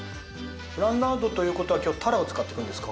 ブランダードということは今日はたらを使っていくんですか？